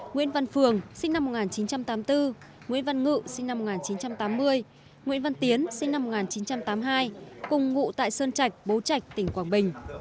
nguyễn văn phường sinh năm một nghìn chín trăm tám mươi bốn nguyễn văn ngự sinh năm một nghìn chín trăm tám mươi nguyễn văn tiến sinh năm một nghìn chín trăm tám mươi hai cùng ngụ tại sơn trạch bố trạch tỉnh quảng bình